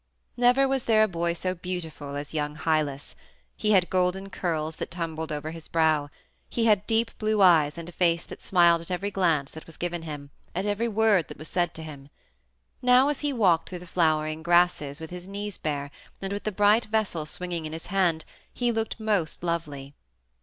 Never was there a boy so beautiful as young Hylas. He had golden curls that tumbled over his brow. He had deep blue eyes and a face that smiled at every glance that was given him, at every word that was said to him. Now as he walked through the flowering grasses, with his knees bare, and with the bright vessel swinging in his hand, he looked most lovely.